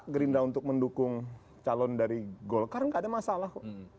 gerindra untuk mendukung calon dari golkar nggak ada masalah kok